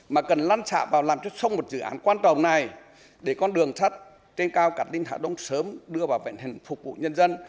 mà cần lan trạm vào làm cho xong một dự án quan trọng này để con đường sát trên cao cắt linh hà đông sớm đưa vào vẹn hình phục vụ nhân dân